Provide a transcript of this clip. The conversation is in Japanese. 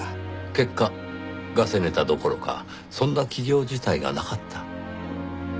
結果ガセネタどころかそんな企業自体がなかった。